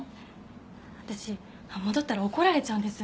私戻ったら怒られちゃうんです。